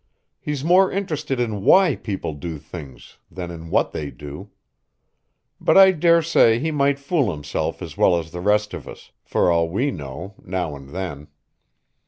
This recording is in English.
He's more interested in why people do things than in what they do. But I dare say he might fool himself as well as the rest of us. For we all do, now and then."